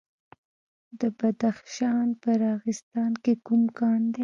د بدخشان په راغستان کې کوم کان دی؟